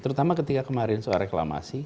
terutama ketika kemarin soal reklamasi